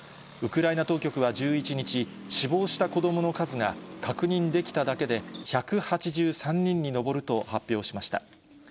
ウクライナ当局は１１日、死亡した子どもの数が確認できただけで１８３人に上ると発表しました。